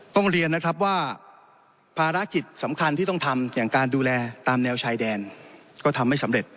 ต้องเรียนนะครับว่าภารกิจสำคัญที่ต้องทำอย่างการดูแลตามแนวชายแดนก็ทำไม่สำเร็จ